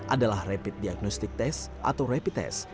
adalah rapid diagnostic test atau rapid test